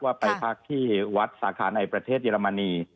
ไปพักที่วัดสาขาในประเทศเยอรมนี